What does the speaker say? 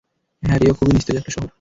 হ্যাঁ, রিও খুবই নিস্তেজ একটা শহর।